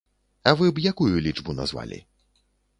А вы б якую лічбу назвалі?